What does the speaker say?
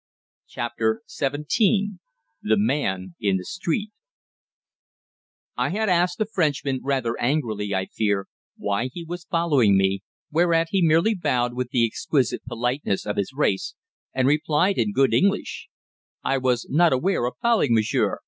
CHAPTER SEVENTEEN THE MAN IN THE STREET I had asked the Frenchman, rather angrily I fear, why he was following me, whereat he merely bowed with the exquisite politeness of his race, and replied in good English "I was not aware of following m'sieur.